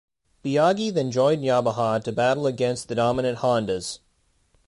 Biaggi then joined Yamaha to battle against the dominant Hondas.